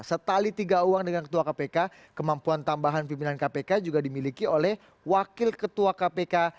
setali tiga uang dengan ketua kpk kemampuan tambahan pimpinan kpk juga dimiliki oleh wakil ketua kpk